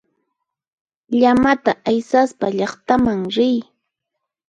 Llamata aysaspa llaqtaman riy.